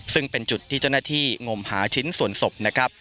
ซึ่งเป็นจุดที่เจ้าหน้าที่งมหาชิ้นส่วนศพนะครับ